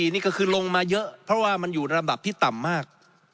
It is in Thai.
นี่ก็คือลงมาเยอะเพราะว่ามันอยู่ระดับที่ต่ำมาก